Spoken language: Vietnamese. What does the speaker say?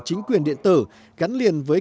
chính quyền điện tử gắn liền với